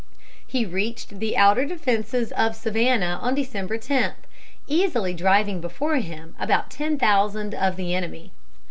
He reached the outer defenses of Savannah on December 10, easily driving before him about ten thousand of the enemy.